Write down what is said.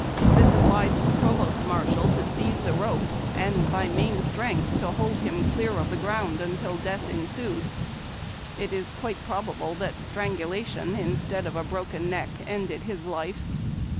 This obliged the provost marshal to seize the rope, and by main strength to hold him clear of the ground till death ensued. It is quite probable that strangulation instead of a broken neck ended his life.